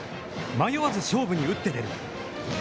迷わず勝負に打って出る。